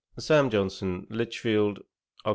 SAM. JOHNSON. Lichfield, Oct.